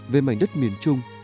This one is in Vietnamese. về mảnh đất miền trung